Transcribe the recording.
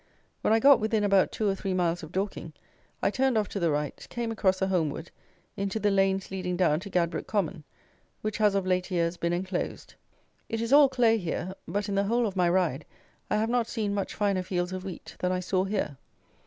When I got within about two or three miles of Dorking, I turned off to the right, came across the Holmwood into the lanes leading down to Gadbrook Common, which has of late years been enclosed. It is all clay here; but in the whole of my ride I have not seen much finer fields of wheat than I saw here.